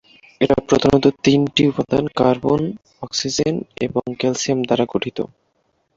এটা প্রধানত তিনটি উপাদান কার্বন, অক্সিজেন এবং ক্যালসিয়াম দ্বারা গঠিত।